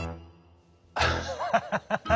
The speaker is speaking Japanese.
「アハハハ！